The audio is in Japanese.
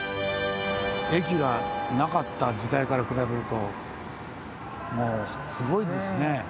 駅がなかった時代から比べるともうすごいですね。